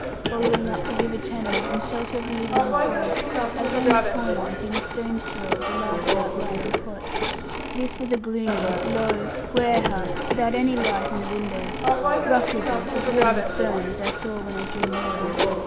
Following up the river channel, in shelter of the evening fog, I gained a corner within stone's throw of the last outlying cot. This was a gloomy, low, square house, without any light in the windows, roughly built of wood and stone, as I saw when I drew nearer.